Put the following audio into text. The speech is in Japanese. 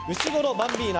バンビーナ